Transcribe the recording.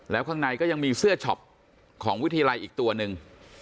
แล้วข้างในก็ยังมีเสื้อช็อปของวิทยาลัยอีกตัวหนึ่ง